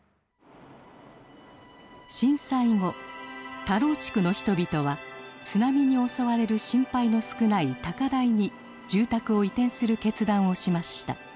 震災後田老地区の人々は津波に襲われる心配の少ない高台に住宅を移転する決断をしました。